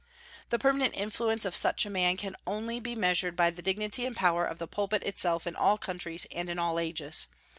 The permanent influence of such a man can only be measured by the dignity and power of the pulpit itself in all countries and in all ages.